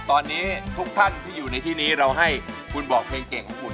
ตอนนี้ทุกท่านที่อยู่ในที่นี้เราให้คุณบอกเพลงเก่งของคุณ